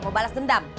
mau balas dendam